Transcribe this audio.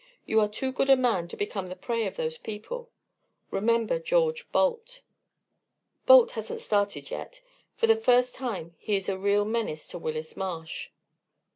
You are too good a man to become the prey of those people. Remember George Balt." "Balt hasn't started yet. For the first time he is a real menace to Willis Marsh."